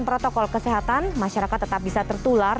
protokol kesehatan masyarakat tetap bisa tertular